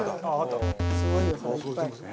すごいよいっぱい。